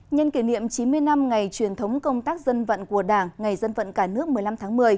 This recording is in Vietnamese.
nhân kỷ niệm chín mươi năm ngày truyền thống công tác dân vận của đảng ngày dân vận cả nước một mươi năm tháng một mươi